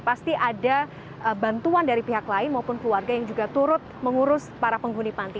pasti ada bantuan dari pihak lain maupun keluarga yang juga turut mengurus para penghuni panti